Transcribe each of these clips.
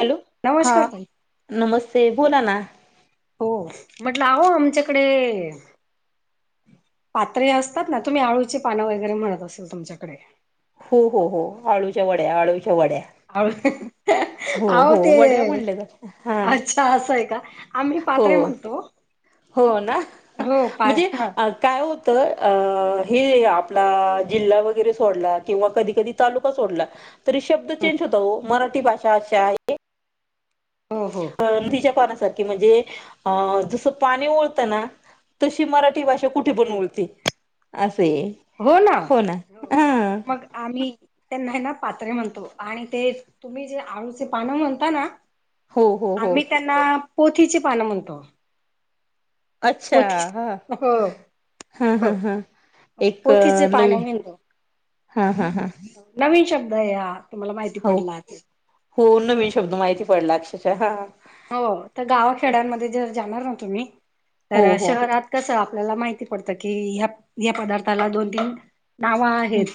Hello हा नमस्कार ताई नमस्ते बोला ना हो म्हटलं आहो आमच्याकडे पात्र असतात ना तुम्ही आळूची पानं वगैरे म्हणत असेल तुमच्याकडे हो हो हो आळूच्या वड्या आळूच्या वड्या आ हो अहो हो ते वड्या म्हणल्या जात हा अच्छा असं आहे का आम्ही प हो म्हणतो हो ना हो पा म्हणजे ह काय होत हे आपला जिल्हा वगैरे सोडला किंवा कधी कधी तालुका तरी शब्द चेंज होत हो मराठी भाषा अशी आहे हो हो अ तिच्या पाना म्हणजे जसं पाणी वळताना तशी मराठी भाषा कुठे पण हम्म वरती हो ना हो मग आम्ही त्यांना ना पात्रे म्हणतो आणि ते तुम्ही जे आळूचे पानं म्हणता ना हो हो हो आम्ही त्यांना पोथीची पानं म्हणतो अच्छा पोथी हा हो हा हो हा हा एक पोथीचे पानं नवीन म्हणतो हा हा हा नवीन शब्द आहे हा तुम्हाला माहिती हो पडला तर हो नवीन शब्द माहिती पडला अक्षशः हा हो तर गावाखेड्यांमध्ये जर जाणार ना तुम्ही हो तर हो शहरात कसं आपल्याला माहिती पडतं की या पदार्थाला दोन-तीन नाव आहेत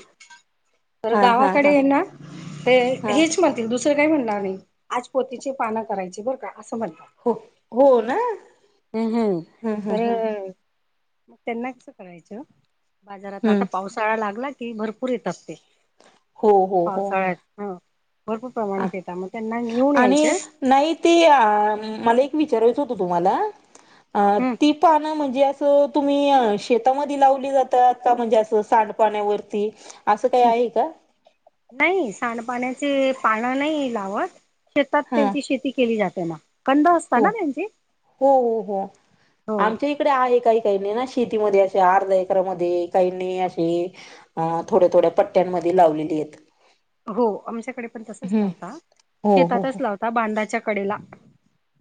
तर हा हा हा गावाकडे ना ते हा हेच म्हणतील दुसरं काय म्हणणार नाही आज पोतीची पानं करायची बर का असं म्हणत हो हो ना हम् हम् ह ह तर ह मग त्यांना कसं करायचं बाजारात हम्म आता पावसाळा लागला की भरपूर येतात ते हो हो हो पावसाळच हा भरपूर प्रमाणात येतं मग त्यांना घेऊन आणि यायचं नाही ते मला एक विचारायचं होतं तुम्हाला की त्यांना तुम्ही शेतामध्ये लावली जातात का म्हणजे अस सांडपाण्यावरती असं काही आहे का सांडपाण्याचं पान नाही लावत शेतात हा त्यांची शेती केली जाते ना कंद असता हो ना त्यांची हो हो हो हो आमच्या इकडे आहे काही काही नाही ना शेतीमध्ये असे अर्ध्या एकरांमध्ये काहींनी असे थोड्या थोड्या पट्ट्यांमध्ये लावलेली आहेत हो आमच्याकडे पण तसच हम्म लावता हो हो शेतातच हो. लावता बांधाच्या कडेला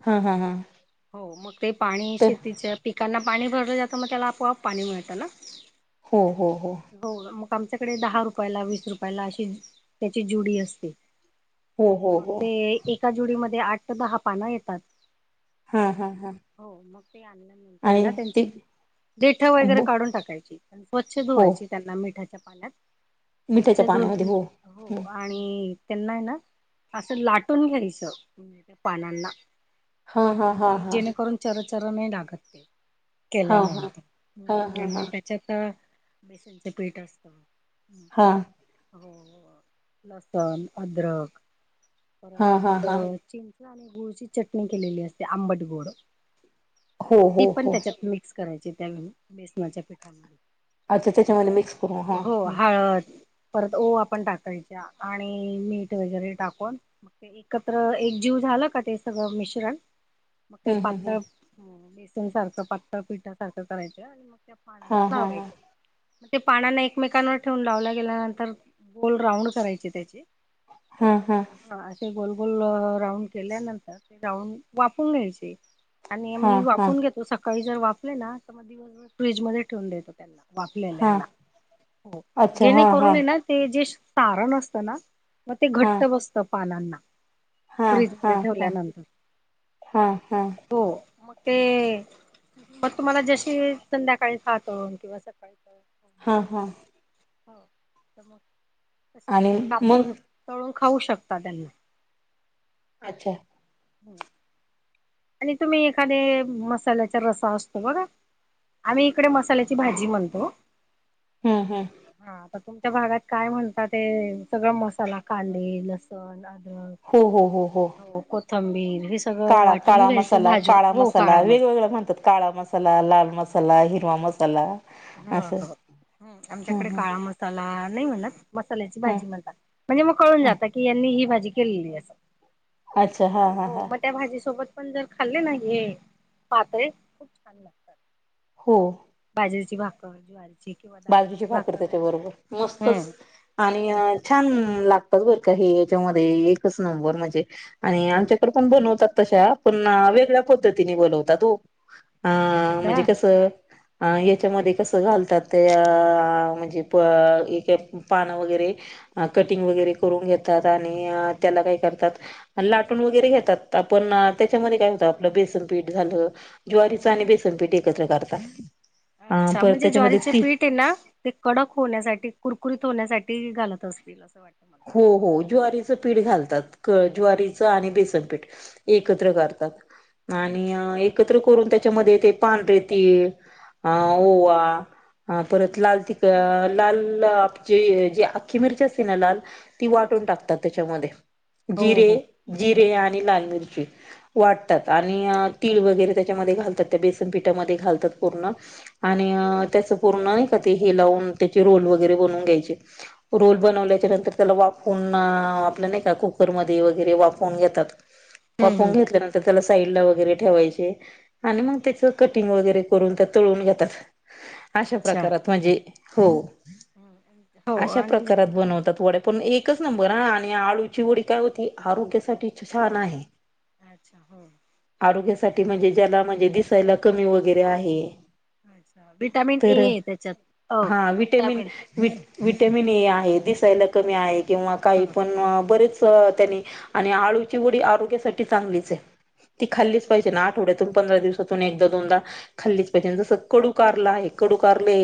हा हा हा हो मग ते पाणी तर शेतीच्या पिकांना पाणी भरलं जातं मग त्याला आपोआप पाणी मिळतं ना हो हो हो आमच्याकडे दहा रुपयाला वीस रुपयाला अशी त्याची जुडी असते हो हो मग हो ते एका जुडीमध्ये आठ तर दहा पानं येतात हा हा हा हो मग ते आणल्यानंतर आणि ना ते त्यांची देठा ब वगैरे काढून टाकायची प स्वच्छ धुवायची त्यांना मिठाच्या पाण्यात स्वच्छ मिठ्याच्या पाण्यामध्ये धुतली हो. हो आणि त्यांना आहे ना असं लाटून घ्यायचं पानांना हा हा म्हणजे हा ते हा जेणेकरून चर् लागत नाही. हा हा. हा हा हा केल्यानंतर त्याच्यात बेसनच पीठ असत हा हो. लसण अदरक हा परत हा हा मचिं.. आणि गुळची चटणी केलेली असते आंबट गोड हो ती हो पण हो. त्याच्यात मिक्स... करायचे त्या बेसनाच्या पिठामध्ये... अच्छा त्याच्यामध्ये मिक्स करू हा हो हा... हळद परत ओवा आपण टाक... आणि मीठ वगैरे टाकून एकत्र एक जीव झाला का ते सगळं... मिश्रण... मग ते हम्म हम्म पातळ बेसन सारखं पातळ पिठ सारखं करायचं आणि मग... हा पानांना हा हा लावायच्या मग ते पानाना एकमेकांवर ठेवून लावल्या गेल्यानंतर... गोल राऊंड करायचे त्याचे हा हा असे गोल... गोल राऊंड केल्यानंतर ते राऊंड वाफवून घ्यायचे... आणि हा मी हा वाफवून घेतो, सकाळी जर वापले ना तर मग दिवस दिवस फ्रीजमध्येध्ये ठेवून देतो त्यांना. हा वाफलेल्याना हो अच्छा हा हा जेणेकरून ये ना ते जे सारण असत ना... मग ते हा घट्ट बसत पानांना... हा फ्रीज हा मध्ये हा ठेवल्यानंतर हा हा हो... ते मग तुम्हाला जशी संध्याकाळी खातो किंवा सकाळीच.... हा हा... हो मग त आणि तुम्ही मग कापून तळून.. खाऊ शकता त्यांना.... अच्छा... आणि तुम्ही एखादे मसाल्याचा रसा असतो बघा. आम्ही इकडे मसाल्याची भाजी म्हणतो हम्म हम्म हा आता तुम... च्या भागात काय म्हणतात ते सगळा मसाला कांदा लसण... हो कोथंबीर हे सगळं काळा वाट... काळा मसाला काळा मसाला वेगवेगळा म्हणतात काळा मसाला लाल मसाला हिरवा मसाला.... ह असं ह ह आमच्याकडे काळा मसाला नाही म्हणत... मसाल्याची ह भाजी म्हणतात म्हणजे मग कळून ह जात की यांनी ही भाजी केलेली असं.... अच्छा हा हा हा... आपण जर खाल्ले नाही हे पातय खूप छान लागतात... हो बाजरीची भाकर.... किंवा बाजरीची दादरची भाकर राहिली त्याच्याबरोबर मस्तच हम्म. आणि हो छान लागत.... बर का हे याच्यामध्ये एकच नंबर म्हणजे आणि आमच्याकड पण बनवतात. तशा पण वेगळ्या पद्धतीने बनवतात तो अ असं आहे म्हणजे का कसं... अ याच्यामध्ये कसं घालतात ते.... व पान वगैरे कटिंग वगैरे करून घेतात. आणि... काय करतात लाटून वगैरे घेतात. आपण त्याच्यामध्ये काय होत आपलं बेसन पीठ झालं. ज्वारीचा आणि बेसनपीठ एकत्र करतात अच्छा परत म्हणजे त्याच्यामध्ये... ज्वारीचे ती पीठ आहे ना ते कडक होण्यासाठी कुरकुरीत होण्यासाठी घालत असतील असं वाटतय. हो हो ज्वारीचं पीठ घालतात हो ज्वारीचं आणि बेसन... एकत्र अच्छा करतात हम्म आणि हम्म एकत्र करून त्याच्यामध्ये ते पांढरेतीळ... अ हम्म. ओवा परत लाल तिखट... लाल जे जी अख्खी मिरची असते ना लाल... ती वाटून अच्छा. टाकतात त्याच्यामध्ये हो जिरे हो जिरे हम्म आणि लाल मिरची.... वाटतात आणि तीळ वगैरे त्याच्यामध्ये घालतात त्या बेसनपीठामध्ये घालतात पूर्ण... आणि त्याचं पूर्ण नाही का ते हे लावून त्याचे रोल वगैरे बनवून घ्यायचे रोल बनवल्याच्या नंतर... त्याला वाफवून आपल्या नाही का कुकरमध्ये वगैरे वाफवून घेतात. हम्म वाफवून हम्म. घेतल्यानंतर त्याला साईडला वगरे ठेवायचे आणि मग त्याच कटिंग वगैरे.... करून त्या तळून घेतात अशा अच्छा. प्रकारात म्हणजे हो... हम्म. हो अशा आणि प्रकारात बनवतात वड्या.. पण एकच नंबर ह आणि आळूची वडी काय होती आरोग्यासाठी छान आहे... अच्छा हो साठी म्हणजे ज्याला म्हणजे दिसायला कमी वगैरे आहे अच्छा विटामिन ए तर आहे त्याच्यात अ हा विटॅमिन विटामिन वि विटॅमिन ए आहेत दिसायला कमी आहे किंवा काही ह पण बरेच त्यांनी आणि आळूची वडी आरोग्यासाठी चांगलीच आहे ती खाली पाहिजे ना आठवड्यातून पंधरा दिवस एक दोनदा खाल्लीच पाहिजे जस कडू कारला आहे कडू कारले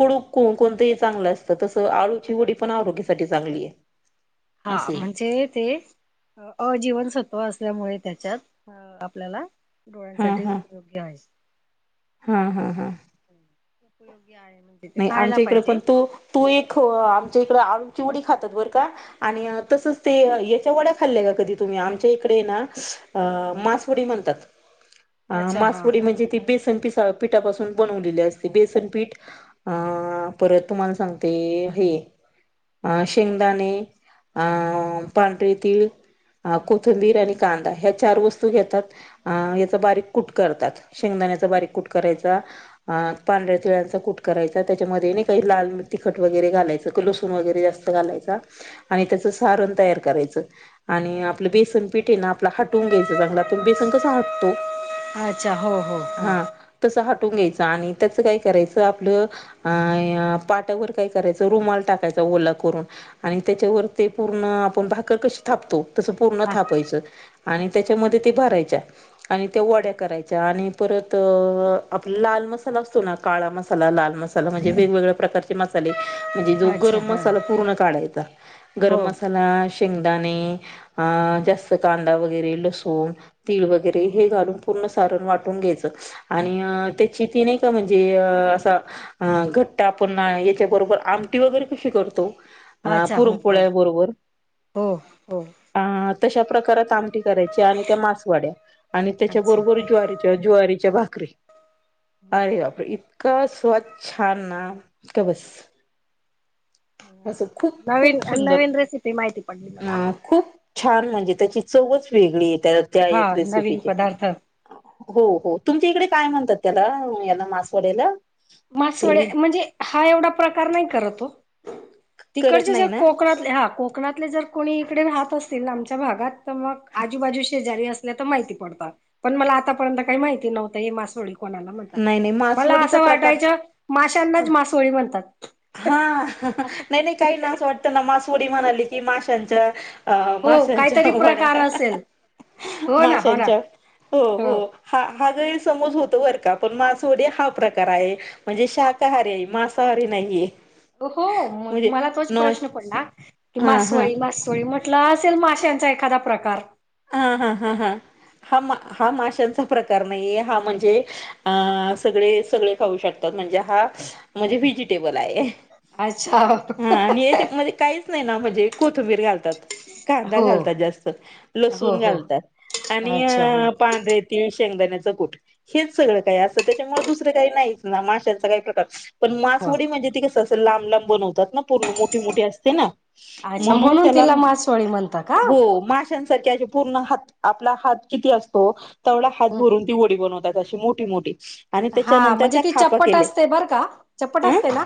कडूण चांगलं असतं तस आळूची वडी पण आरोग्यासाठी चांगली आहे हा असे म्हणजे ते अजीवनसत्व असल्यामुळे त्याच्यात आपल्याला हा डोळ्यांसाठी हा उपयोगी आहे हा हा हा हप नाही आमच्या इकड पण तू तू एक आमच्या इकड आळू चिवडी खातात बरं का आणि हं. तसच ते याच्या वड्या खाल्ल्या का कधी तुम्ही आमच्या इकडे ना मासवडी म्हणतात अ अच्छा हा मासपडी म्हणजे ती बेसन प पीठापासून बनवलेली असते बेसनपीठ हा तुम्हाला सांगते हे शेंगदाणे हम्म पांढरी हम्म कोथंबीर आणि कांदा ह्या चार वस्तू घेतात याचा बारीक कुट करतात शेंगदाण्याचा बारीक कुट करायचा पांढ त कुठे करायचा त्याच्यामध्ये नाही काही लाल तिखट वगैरे घालायचं क लसूून वगैरे जास्त घालायचा आणि हम्म. त्याच अच्छा हा, सारण तयार करायचं आणि हा, आपलं हा. बेसन पिटे ना आपलं हटून घ्यायचं चांगलं त बेसंग कसा हटतो अच्छा हो हो हो ून घ्यायचं आणि त्याचं काय करायचं आपलं अ पाटावर काय करायचं रुमाल टाकायचा ओला करून आणि त्याच्यावर अच्छा ते पूर्ण आपण भाकर कशी थापतो तसं पूर्ण हा थापायचं आणि अच्छा त्याच्यामध्ये भरायच्या आणि त्या वड्या करायच्या आणि परत आपला लाल मसाला असतो ना काळा मसा मसाला लाल मसाला म्हणजे वेगवेगळ्या प्रकारचे मसाले म्हणजे जो अच्छा गरम हा मसाला हा. पूर्ण काढायचा गरम हो मसाला शेंगदाणे अ जास्त कांदा वगैरे लसूण तीळ वगैरे हे घालून पूर्ण सारण वाटून घ्यायचं त्या ती नाही का म्हणजे घट्टा आपण याच्याबरोबर आमटी वगैरे कशी करतो अ अच्छा हो हो पुरमपोळ्या बरोबर हो हो अ तशा प्रकारात आमटी करायची आणि त्या मासवाड्या आणि अच्छा. त्याच्याबरोबर ज्वारीच्या ज्वारीच्या भाात हो अरे का बापर इत स्वच्छान ना का बस असं खूप नवीन खूप सुंदर नवीन रेसिपी माहिती पडली मला. अं खूप छान म्हणजे त्या चवच वेगळी त्या हा रेसिपी नवीन पदार्थ हो तुमच्या इकडे काय म्हणतात त्याला याला मासवाडी्याला मासवडे म्हणजे हा एवढा प्रकार नाही करतो करत तिकडचे जे नाही ना कोकणातले हा को कोकणातले जर कोणी इकडे राहत असतील आमच्या भागात तर मग आजूबाजू शेजारी असल्या तर माहिती पडतात पण मला आतापर्यंत काही माहिती नव्हत हे मासोळी कोणाला म्हणतात नाही नाही मला मासवडीचा असं प्रकार वाटायच माशांनाच मासळी म्हणतात हा असं नाही नाही काही ना असं वाटतं ना मासवडी म्हणाली की माशांच्या अ हो माशांच्या काहीतरी प्रकार वाड्या असेल हो ना हो ना माशांच्या हो हो हा हा गैरसमज होत बर का पण मासवडी हा प्रकार आहे म्हणजे शाकाहारी आहे मांसाहारी नाही हो मला तोच नॉन प्रश्न पडला की हा हा मासवळी मासवळी म्ह असेल माश्यांचा एखादा प्रकार हा हा हा हा हा हा माशांचा प्रकार नाहीे हा म्हणजे अ सगळे सगळे खाऊ शकतात म्हणजे हा म्हणजे व्हेजीटेबल आहे अच्छा हा आणि याच्या म्धी काहीच नाही नाण कोथमीर घालतात कांदा हो घालतात जास्त हो लसुण हो घालतात आणि अच्छा हो पांढरे तीळ शेंगदाण्याचं कुठ हेच सगळं काही असतं त्याच्यामुळे दुसरं काही नाहीच ना माशाचा काही प्रकार पण हो मासवडी म्हणजे ती कसं असत लांब लांब बनवतात ना पूर्ण मोठी मोठी असते ना अच्छा म्हणून त्याला तिला मासवळी म्हणता का हो पण हात आपला हात किती असतो तेवढा हात भरून ती वडी बनवतो अशी मोठी मोठी आणि हा त्याच्यानंतर म्हणजे त्या ती खापा चप्पट केले असते बरं का चपट अं असते ना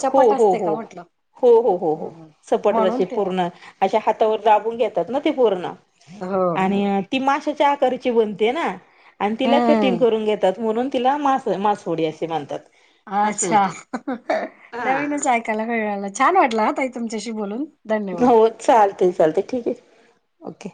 चपट हो हो असते का हो म्हंटलं हो हो हो हो सपटशी पूर्ण अशा हातावर दाबून घेत पूर्ण हो आणि ती माशच्या आकारची बनते ना आणि तिला कटिंग हम्म करून घेतात म्हणून तिला मास मासवडी असे मानतात अच्छा हा नवीनच ऐकायला मिळालं छान वाटलं तुमच्याशी बोलून धन्यवाद हो चालत चालत ठीक आहे ओके